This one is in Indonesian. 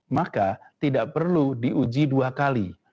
maka tidak perlu diuji dua kali